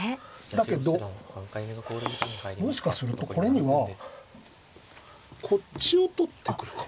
だけどもしかするとこれにはこっちを取ってくるかも。